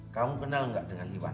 kamu kenal nggak dengan iwan